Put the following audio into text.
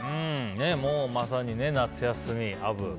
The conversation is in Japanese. もう、まさに夏休み、アブ。